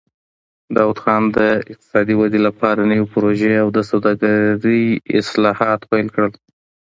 داوود خان د اقتصادي ودې لپاره نوې پروژې او د سوداګرۍ اصلاحات پیل کړل.